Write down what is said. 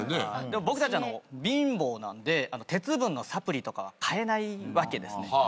僕たち貧乏なんで鉄分のサプリとかは買えないわけですね。